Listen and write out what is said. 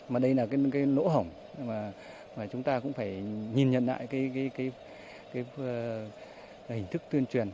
mà đây là cái nỗ hổng mà chúng ta cũng phải nhìn nhận lại cái hình thức tuyên truyền